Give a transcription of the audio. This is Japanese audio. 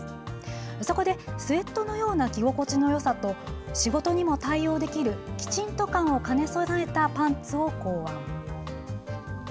そこで、スウェットのような着心地のよさと仕事にも対応できるきちんと感を兼ね備えたパンツを考案。